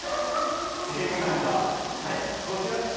正解は、こちら。